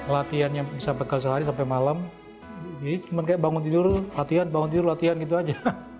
latihannya bisa bekal sehari sampai malam jadi cuma kayak bangun tidur latihan bangun tidur latihan gitu aja